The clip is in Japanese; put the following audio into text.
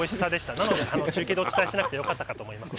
なので、中継でお伝えしなくてよかったかと思います。